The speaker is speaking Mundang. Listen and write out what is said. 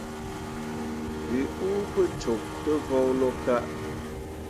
We uu pǝ cok tǝ voŋno ka.